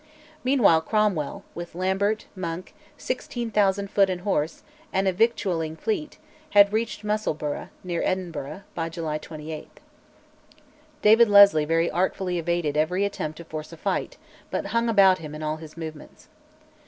Meanwhile Cromwell, with Lambert, Monk, 16,000 foot and horse, and a victualling fleet, had reached Musselburgh, near Edinburgh, by July 28. David Leslie very artfully evaded every attempt to force a fight, but hung about him in all his movements.